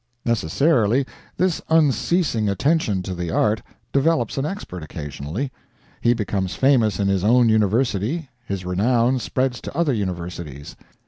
Necessarily, this unceasing attention to the art develops an expert occasionally. He becomes famous in his own university, his renown spreads to other universities.